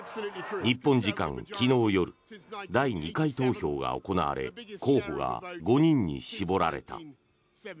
日本時間昨日夜第２回投票が行われ候補が５人に絞られた。